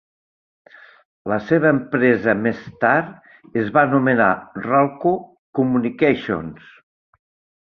La seva empresa més tard es va anomenar Rawlco Communications.